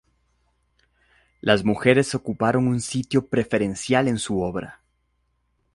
Las mujeres ocuparon un sitio preferencial en su obra.